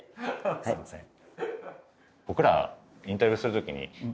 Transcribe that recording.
僕らインタビューする時に。